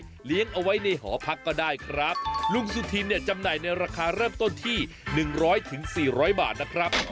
แล้วเลี้ยงเอาไว้ในหอพักก็ได้ครับ